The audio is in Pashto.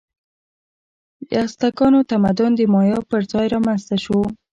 د ازتکانو تمدن د مایا پر ځای رامنځته شو.